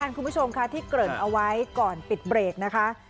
คุณผู้ชมค่ะที่เกริ่นเอาไว้ก่อนปิดเบรกนะคะ